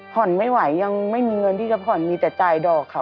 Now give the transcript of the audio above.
ผ่อนไม่ไหวยังไม่มีเงินที่จะผ่อนมีแต่จ่ายดอกเขา